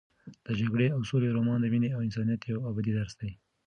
د جګړې او سولې رومان د مینې او انسانیت یو ابدي درس دی.